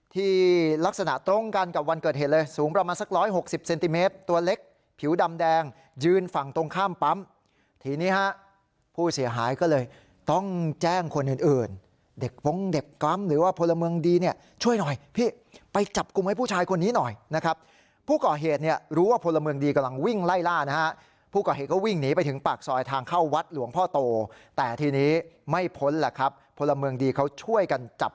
ที่ลักษณะตรงกันกับวันเกิดเหตุเลยสูงประมาณสักร้อยหกสิบเซนติเมตรตัวเล็กผิวดำแดงยืนฝั่งตรงข้ามปั๊มทีนี้ฮะผู้เสียหายก็เลยต้องแจ้งคนอื่นเด็กป้องเด็กกรรมหรือว่าพลเมืองดีเนี่ยช่วยหน่อยพี่ไปจับกลุ่มให้ผู้ชายคนนี้หน่อยนะครับผู้ก่อเหตุเนี่ยรู้ว่าพลเมืองดีกำลังวิ่งไล่ล่า